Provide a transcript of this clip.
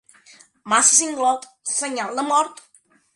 Massa singlot, senyal de mort.